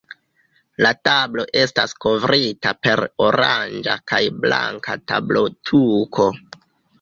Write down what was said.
La tablo estas kovrita per oranĝa kaj blanka tablotuko.